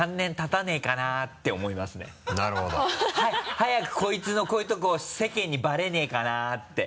早くこいつのこういうとこ世間にバレねぇかなって。